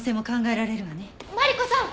マリコさん！